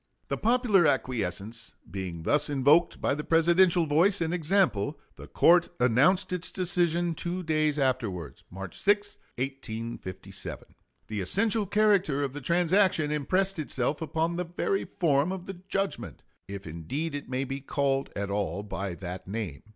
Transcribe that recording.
The popular acquiescence being thus invoked by the Presidential voice and example, the court announced its decision two days afterwards March 6, 1857. The essential character of the transaction impressed itself upon the very form of the judgment, if indeed it may be called at all by that name.